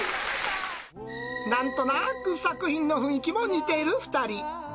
なんとなく作品の雰囲気も似ている２人。